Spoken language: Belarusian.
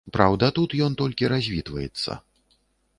Праўда тут ён толькі развітваецца.